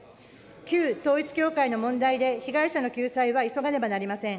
旧統一教会の問題で被害者の救済は急がねばなりません。